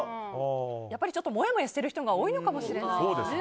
やっぱりもやもやしている人が多いのかもしれませんね。